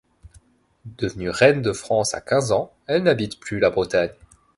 Devenue reine de France à quinze ans, elle n'habite plus la Bretagne.